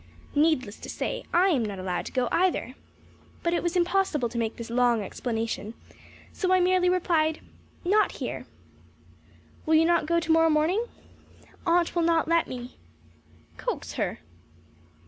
Needless to say, I am not allowed to go either. But it was impossible to make this long explanation, so I merely replied: "Not here." "Will you not go tomorrow morning?" "Aunt will not let me." "Coax her."